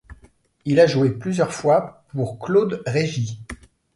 Il a joué plusieurs fois pour Claude Régy.